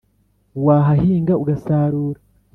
Wahahinga ugasarura,